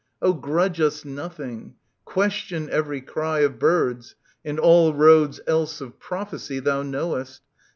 Oh, grudge us nothing ! Question every cry Of birds, and all roads else of prophecy Thou knowest.